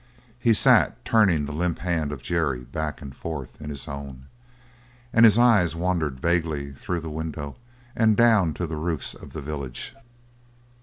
He sat turning the limp hand of Jerry back and forth in his own, and his eyes wandered vaguely through the window and down to the roofs of the village.